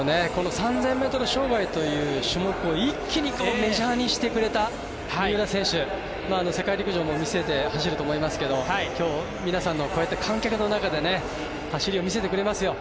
この３０００ｍ障害という種目を一気にメジャーにしてくれた三浦選手、世界陸上も見据えて走ると思いますけど今日、皆さんのこうやって観客の中で走りを見せてくれますよ。